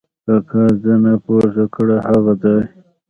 کاکا زنه پورته کړه: هغه ځای!